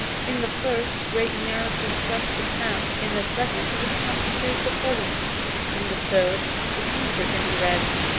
In the first, great mirrors reflect the past; in the second, we contemplate the present; in the third, the future can be read.